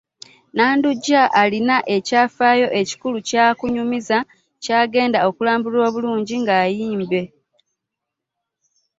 Nandujja alina ekyafaayo ekikulu ky’akunyumiza ky’agenda alambulula obulungi ng’ayimba kiyimbe.